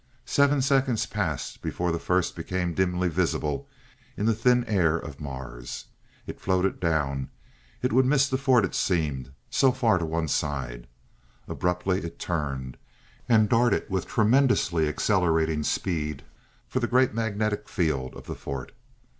Seven seconds passed before the first became dimly visible in the thin air of Mars. It floated down, it would miss the fort it seemed so far to one side Abruptly it turned, and darted with tremendously accelerating speed for the great magnetic field of the fort.